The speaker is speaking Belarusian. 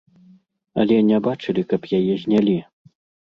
Але не бачылі, каб яе знялі.